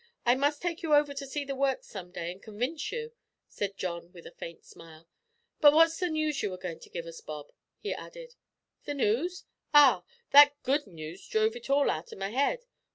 I must take you over to see the works some day and convince you," said John with a faint smile. "But what's the news you were goin' to give us, Bob?" he added. "The noos? ah; that good noos drove it all out o' my 'ead.